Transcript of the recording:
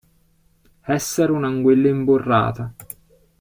Essere un'anguilla imburrata.